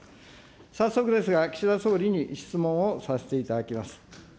早速ですが、岸田総理に質問をさせていただきます。